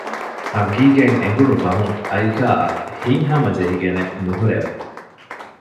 ހަޤީޤަތް އެނގުނު ފަހުން އައިކާއަށް ހިތްހަމަޖެހިގެނެއް ނުހުރެވެ